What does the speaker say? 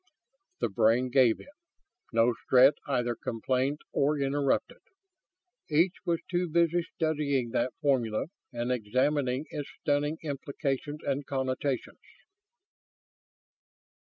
The brain gave it. No Strett either complained or interrupted. Each was too busy studying that formula and examining its stunning implications and connotations.